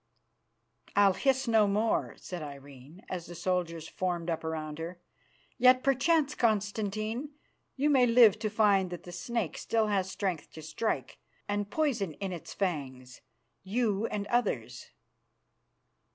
"I'll hiss no more," said Irene, as the soldiers formed up round her, "yet, perchance, Constantine, you may live to find that the snake still has strength to strike and poison in its fangs, you and others.